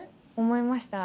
思いました。